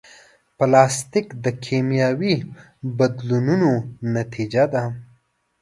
پلاستيک د کیمیاوي بدلونونو نتیجه ده.